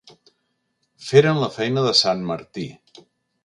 Feren la feina de sant Martí.